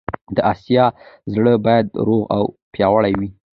د اسیا زړه باید روغ او پیاوړی وي.